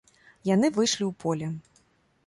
Яны выйшлі ў поле.